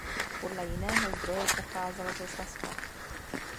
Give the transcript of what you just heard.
Podle jiného zdroje pocházel ze Saska.